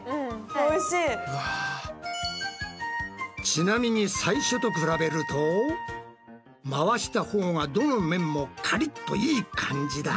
ちなみに最初と比べると回したほうはどの面もカリッといい感じだ。